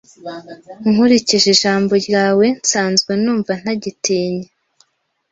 Nkurikije ijambo ryawe nsanzwe numva ntagitinya